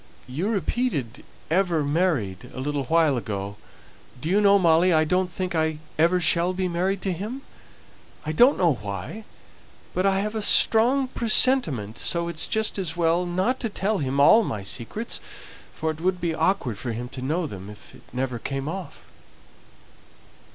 You repeated 'Ever married,' a little while ago; do you know, Molly, I don't think I ever shall be married to him? I don't know why, but I have a strong presentiment, so it's just as well not to tell him all my secrets, for it would be awkward for him to know them if it never came off!"